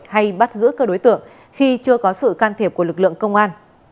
hay bắt giữ cơ đối tượng khi chưa có sự can thiệp của lực lượng công an